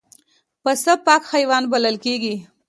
پسه پاک حیوان بلل کېږي.